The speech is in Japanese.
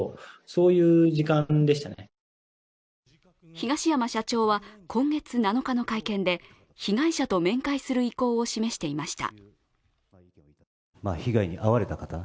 東山社長は今月７日の会見で、被害者と面会する意向を示していました。